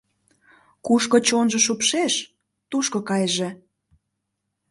— Кушко чонжо шупшеш, тушко кайыже.